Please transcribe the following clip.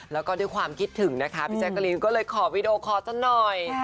แล้วก็ด้วยความคิดถึงนะคะพี่แจ๊กกะรีนก็เลยขอวีดีโอคอร์สักหน่อย